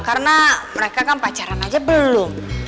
karena mereka kan pacaran aja belum